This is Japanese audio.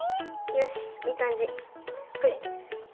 よしいい感じ。